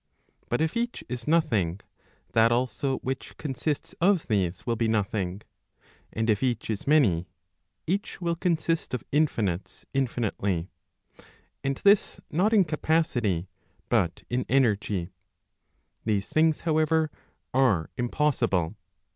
But if each is nothing, that also which consists of these will be nothing. And if each is many, each will consist of infinites infinitely: [and this not in capacity, but in energy]. These things, however, are impossible.